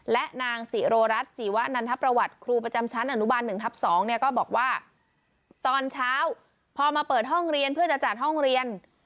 และนางศิโรรัสจีวะนันทประวัติครูประจำชั้นอนุบาล๑ทับ๒เนี่ยก็บอกว่าตอนเช้าพอมาเปิดห้องเรียนเพื่อจะจัดห้องเรียน